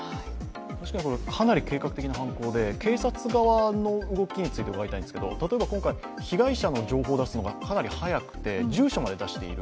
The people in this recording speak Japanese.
確かにかなり計画的な犯行で、警察側の動きについて伺いたいんですけれども、例えば今回、被害者の情報を出すのがかなり早くて、住所まで出している。